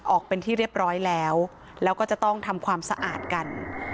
ออกเป็นที่เรียบร้อยแล้วแล้วก็จะต้องทำความสะอาดกัน